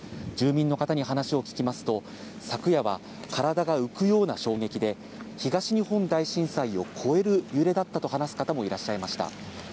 住民の方に話を聞きますと、昨夜は体が浮くような衝撃で、東日本大震災を超える揺れだったと話す方もいらっしゃいました。